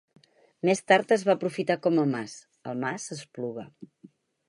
Més tard es va aprofitar com a mas: el mas Espluga.